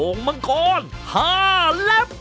องค์มังกร๕ลับ